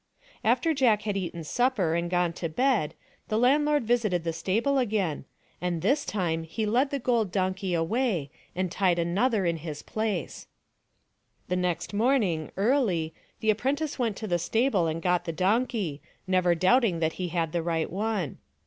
After Jack had eaten supper and gone to bed the landlord visited the stable again, and this time he \ 2^2 THE DONKEY, THE TABLE, AND THE STICK led the gold donkey away and tied another in his place. The next morning, early, the apprentice went to the stable and got the donkey, never doubting that he had the right one.